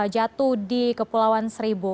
jatuh di kepulauan seribu